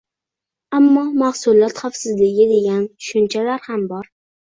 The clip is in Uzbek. Ammo mahsulot xavfsizligi degan tushunchalar ham bor